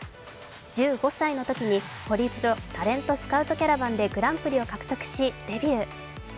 １５歳のときにホリプロタレントスカウトキャラバンで優勝し、デビュー。